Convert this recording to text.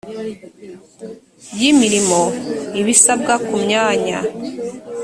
y imirimo ibisabwa ku myanya